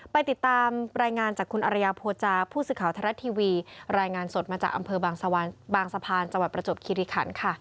ไปติดตามรายงานจากคุณอรยาโภจาผู้สื่อข่าวไทยรัฐทีวีรายงานสดมาจากอำเภอบางสะพานจังหวัดประจบคิริขันค่ะ